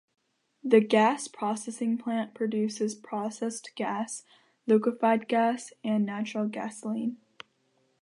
The Gas Processing Plant produces processed gas, liquefied gas and natural gasoline.